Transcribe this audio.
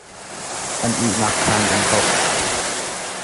An ihnak khan an kauh .